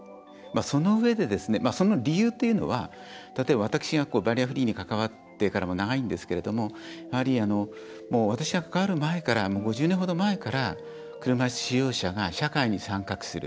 そのうえで、その理由というのは例えば、私がバリアフリーに関わってから長いんですけども私が関わる前、５０年程前から車いす使用者が社会に参画する。